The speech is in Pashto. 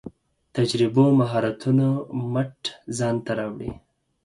تجربو مهارتونو مټ منځ ته راوړي.